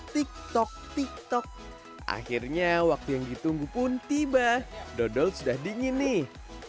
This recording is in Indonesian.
tik tok tik tok akhirnya waktu yang ditunggu pun tiba dodol sudah dingin nih